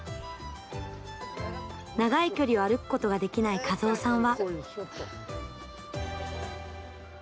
長い距離を歩くことができない一夫さんは。